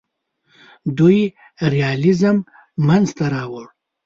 دوی ریالیزم منځ ته راوړ.